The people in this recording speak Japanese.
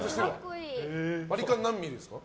バリカン何ミリですか？